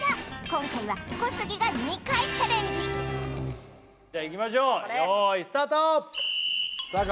今回は小杉が２回チャレンジじゃいきましょう用意スタートさあ